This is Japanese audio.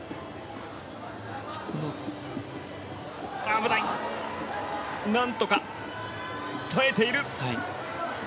危ない、何とか耐えている。